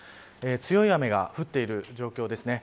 強い雨が降っている状況ですね。